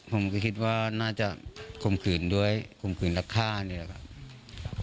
ผมคิดว่าน่าจะคงคืนด้วยคงคืนรักษานี่แหละครับ